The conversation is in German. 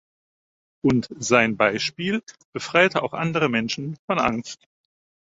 Und sein Beispiel befreite auch andere Menschen von Angst.